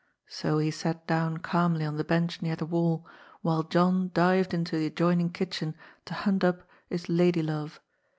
So he sat down calmly on the bench near the wall, while John dived into the adjoining kitchen to hunt up his lady love.